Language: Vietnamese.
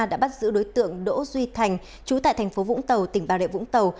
đã bắt giữ đối tượng đỗ duy thành chú tại thành phố vũng tàu tỉnh bà rịa vũng tàu